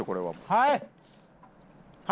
はい！